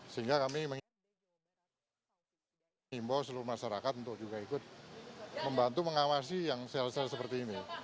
sehingga kami mengimbau seluruh masyarakat untuk juga ikut membantu mengawasi yang sel sel seperti ini